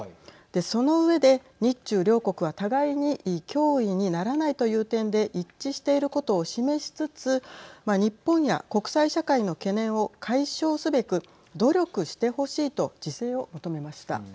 その上で日中両国は互いに脅威にならないという点で一致していることを示しつつ日本には国際社会の懸念を解消すべく努力してほしいと自制を求めました。